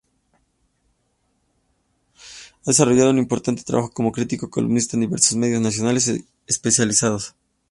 Ha desarrollado un importante trabajo como crítico y columnista en diversos medios nacionales especializados.